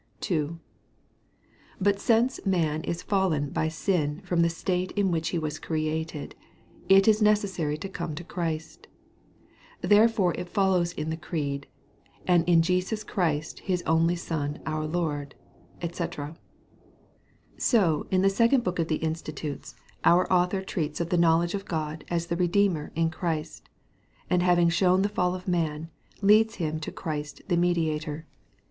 II. But since man is fallen by sin from the state in which he was created, it is necessary to come to Christ. Therefore it follows in the Creed, "And in Jesus Christ, his only Son our Lord," &c. So in the second book of the Institutes our Author treats of the knowledge of God as the Redeemer in Christ; and having shown the fall of man, leads him to Christ the Mediator.